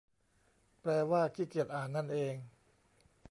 แปลว่าขี้เกียจอ่านนั่นเอง